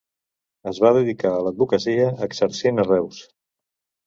Es va dedicar a l'advocacia exercint a Reus.